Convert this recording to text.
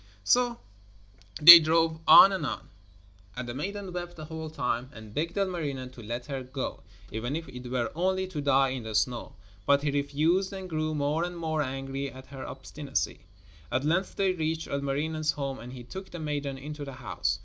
So they drove on and on, and the maiden wept the whole time, and begged Ilmarinen to let her go, even if it were only to die in the snow, but he refused and grew more and more angry at her obstinacy. At length they reached Ilmarinen's home and he took the maiden into the house.